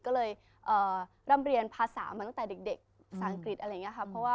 ก็เลยร่ำเรียนภาษามาตั้งแต่เด็กภาษาอังกฤษอะไรอย่างนี้ค่ะ